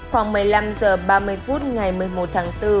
khoảng một mươi năm h ba mươi phút ngày một mươi một tháng bốn